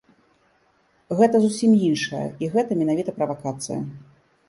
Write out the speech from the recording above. Гэта зусім іншае і гэта менавіта правакацыя.